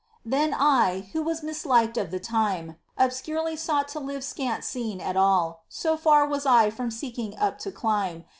Then I, who was misliked of the timef Obscurely sought to live scant seen at all, So far was I from seeking up to climb.